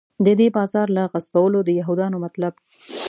د دې بازار له غصبولو د یهودانو مطلب.